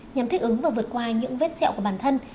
nhằm thích ứng và vượt qua những vết sẹo của bản thân